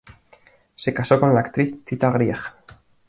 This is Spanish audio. Se casó con la actriz Tita Grieg.